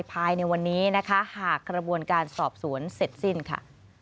ภายในวันนี้นะคะหากกระบวนการสอบสวนเสร็จสิ้นค่ะ